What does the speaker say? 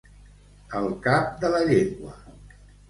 Al cap de la llengua.